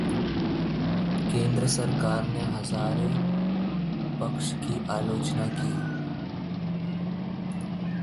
केंद्र सरकार ने हज़ारे पक्ष की आलोचना की